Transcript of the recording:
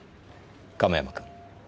亀山君。